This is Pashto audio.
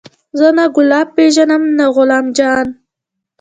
زه نه ګلاب پېژنم نه غلام جان.